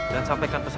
dan sampaikan pesan